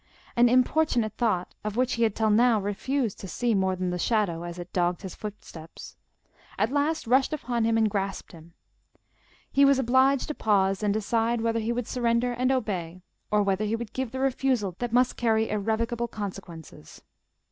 An importunate thought, of which he had till now refused to see more than the shadow as it dogged his footsteps, at last rushed upon him and grasped him: he was obliged to pause and decide whether he would surrender and obey, or whether he would give the refusal that must carry irrevocable consequences.